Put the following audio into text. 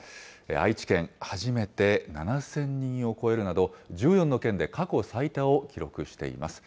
愛知県、初めて７０００人を超えるなど、１４の県で過去最多を記録しています。